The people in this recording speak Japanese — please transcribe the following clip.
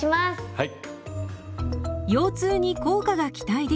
はい。